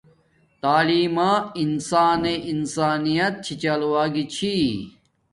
تعیلم ما انسانس انسانیت چھی چال واگی ثھی